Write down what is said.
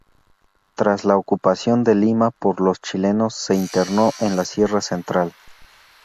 Tras la ocupación de Lima por los chilenos se internó en la sierra central.